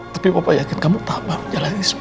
tapi papa yakin kamu tahu pak menjalani semua